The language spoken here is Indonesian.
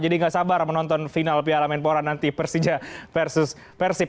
jadi nggak sabar menonton final piala menpora nanti persija versus persib